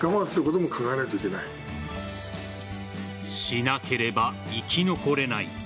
しなければ生き残れない。